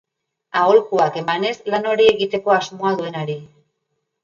Aholkuak emanez lan hori egiteko asmoa duenari.